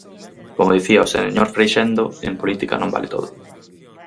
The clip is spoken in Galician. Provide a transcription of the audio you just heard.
Como dicía o señor Freixendo, en política non vale todo.